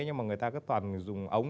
nhưng mà người ta cứ toàn dùng ống